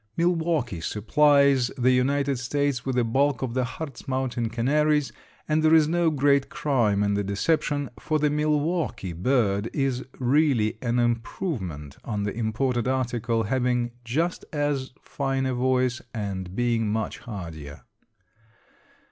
Milwaukee supplies the United States with the bulk of the Hartz Mountain canaries, and there is no great crime in the deception, for the Milwaukee bird is really an improvement on the imported article, having just as fine a voice and being much hardier.